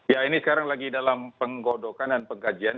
ya ini sekarang lagi dalam penggodokan dan pengkajian